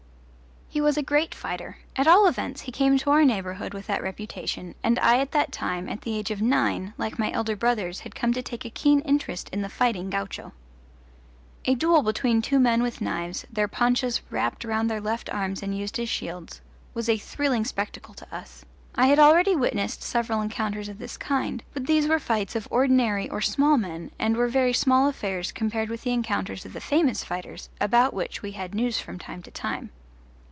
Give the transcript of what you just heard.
He was a great fighter: at all events he came to our neighbourhood with that reputation, and I at that time, at the age of nine, like my elder brothers had come to take a keen interest in the fighting gaucho. A duel between two men with knives, their ponchas wrapped round their left arms and used as shields, was a thrilling spectacle to us; I had already witnessed several encounters of this kind; but these were fights of ordinary or small men and were very small affairs compared with the encounters of the famous fighters, about which we had news from time to time.